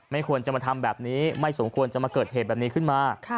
ควรจะมาทำแบบนี้ไม่สมควรจะมาเกิดเหตุแบบนี้ขึ้นมา